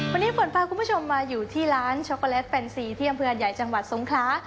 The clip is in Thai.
วันนี้ผ่อนพาคุณผู้ชมมาอยู่ที่ร้านช็อกโกแลตแฟนซีเที่ยมเพือนใหญ่จังหวัดสงครา